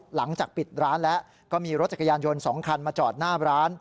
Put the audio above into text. หลังจากปิดร้านแล้วก็มีรถจักรยานยนต์๒คันมาจอดหน้าร้าน